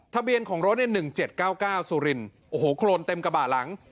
ทะเบียนของรถเนี้ยหนึ่งเจ็ดเก้าเก้าซูรินโอ้โหโครนเต็มกระบ่าหลัง